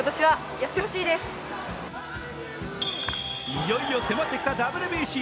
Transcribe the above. いよいよ迫ってきたＷＢＣ。